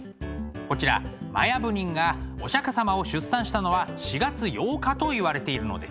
こちら摩耶夫人がお釈様を出産したのは４月８日といわれているのです。